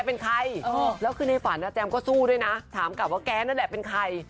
เป็นใครแล้วคือในฝันแจมก็สู้ด้วยนะถามกลับว่าแกนั่นแหละเป็นใคร